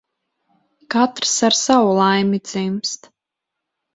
Katrs ar savu laimi dzimst.